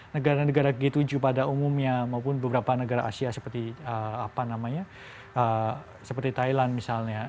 negara negara g tujuh pada umumnya maupun beberapa negara asia seperti thailand misalnya